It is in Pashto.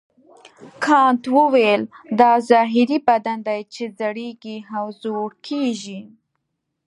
کانت وویل دا ظاهري بدن دی چې زړیږي او زوړ کیږي.